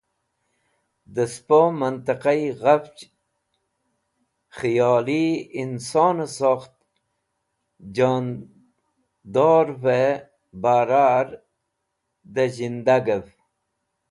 Dẽ spo mentẽqayi ghafch kheyoli insonẽ sokht jondorvẽ barar dẽ zhindaqẽv.